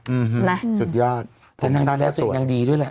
อืมสุดยอดผมสั้นก็สวยแต่นางพลาสติกยังดีด้วยแหละ